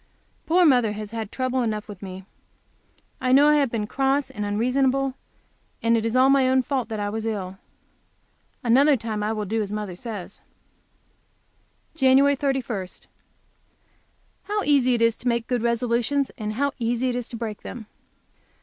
Poor mother has had trouble enough with me; I know I have been cross and unreasonable, and it was all my own fault that I was ill. Another time I will do as mother says. JAN. 31. How easy it is to make good resolutions, and how easy it is to break them!